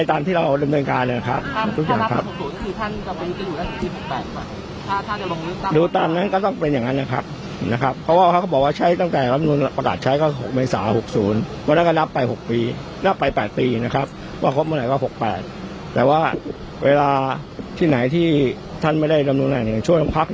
ที่ไหนที่ท่านไม่ได้รำนวดแหล่งในการช่วยคำพรัก